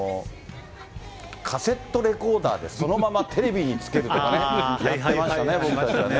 カセットレコーダーで、そのままテレビにつけるとかね、やってましたね、僕たちはね。